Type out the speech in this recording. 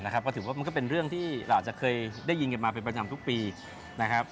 ก็ถือว่ามันก็เป็นเรื่องที่เราอาจจะเคยได้ยินกันมาเป็นประจำทุกปีนะครับ